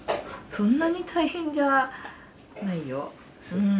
そんなに大変じゃないよ。